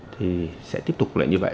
thì sẽ tiếp tục lại như vậy